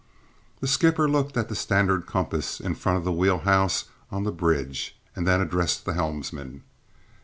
The skipper looked at the standard compass in front of the wheel house on the bridge, and then addressed the helmsman.